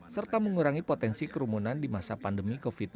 serta mengurangi potensi kerumunan di masa pandemi covid sembilan belas